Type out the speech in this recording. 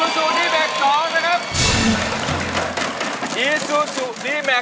สองสาม